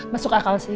masuk akal sih